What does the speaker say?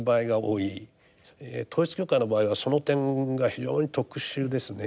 統一教会の場合はその点が非常に特殊ですね。